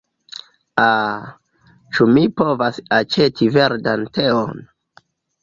Ah, ĉu mi povas aĉeti verdan teon?